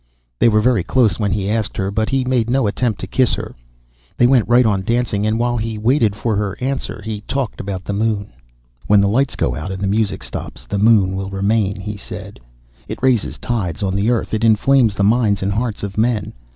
They were very close when he asked her, but he made no attempt to kiss her. They went right on dancing and while he waited for her answer he talked about the moon ... "When the lights go out and the music stops the moon will remain," he said. "It raises tides on the Earth, it inflames the minds and hearts of men.